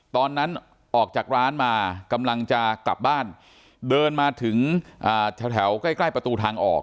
ตอนนั้นออกจากร้านมากำลังจะกลับบ้านเดินมาถึงแถวใกล้ประตูทางออก